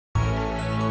selamat pagi bu sanas